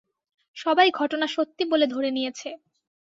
সবাই ঘটনা সত্যি বলে ধরে নিয়েছে।